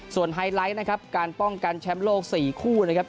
ไฮไลท์นะครับการป้องกันแชมป์โลก๔คู่นะครับ